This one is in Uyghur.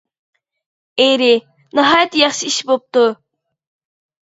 ئېرى : ناھايىتى ياخشى ئىش بوپتۇ.